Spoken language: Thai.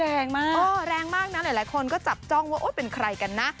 แรงมากแรงมากนะหลายคนก็จับจ้องว่าโอ๊ยเป็นใครกันนะ